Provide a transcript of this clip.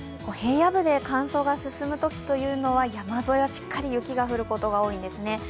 平野部で乾燥が進むときというのは山沿いはしっかりと雪が降ることが多いんですね。